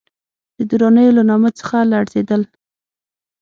د درانیو له نامه څخه لړزېدل.